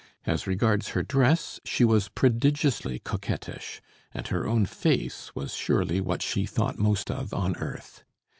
As regards her dress, she was prodigiously coquettish, and her own face was surely what she thought most of on earth.